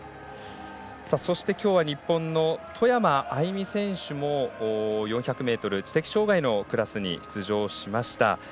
そしてきょうは日本の外山愛美選手も４００ｍ知的障がいのクラスに出場しました。